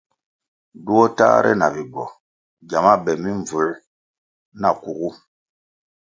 Duo tahre na bigwo gyama be mimbvū na kugu.